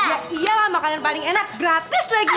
ya iyalah makanan paling enak gratis lagi